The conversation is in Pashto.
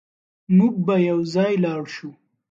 موږ به يوځای لاړ شو